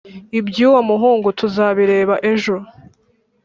iby’uwo muhungu tuzabireba ejo